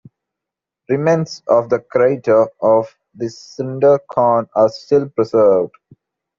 Remnants of the crater of the cinder cone are still preserved.